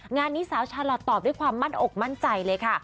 งานนี้สาวชาลอทตอบด้วยความมั่นอกมั่นใจเลยค่ะ